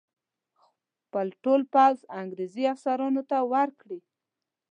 خپل ټول پوځ انګرېزي افسرانو ته ورکړي.